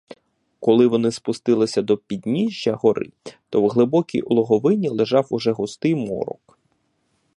Коли вони спустилися до підніжжя гори, то в глибокій улоговині лежав уже густий морок.